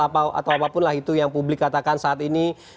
atau apapun lah itu yang publik katakan saat ini